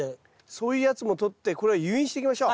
そういうやつもとってこれを誘引していきましょう。